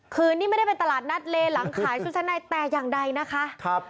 คืนนี้ไม่ได้เป็นตลาดนัดเลหลังขายชุดชั้นในแต่อย่างใดนะคะ